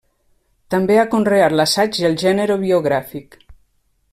També ha conreat l'assaig i el gènere biogràfic.